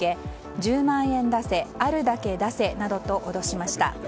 １０万円出せあるだけ出せなどと脅しました。